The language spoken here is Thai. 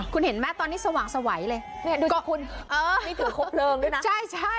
คุณเห็นไหมตอนนี้สว่างสวัยเลยเนี่ยดูก็คุณนี่ถือครบเลิงด้วยนะใช่ใช่